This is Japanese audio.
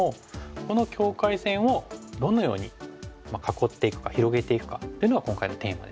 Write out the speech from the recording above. この境界線をどのように囲っていくか広げていくかというのが今回のテーマですね。